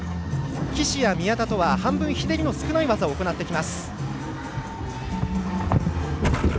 岸や宮田とは半分ひねりの少ない技を行ってきます。